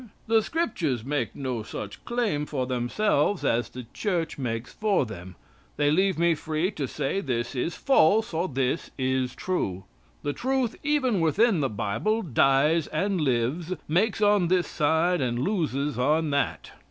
"The Scriptures make no such claim for themselves as the Church make's for them. They leave me free to say this is false, or this is true. The truth even within the Bible dies and lives, makes on this side and loses on that."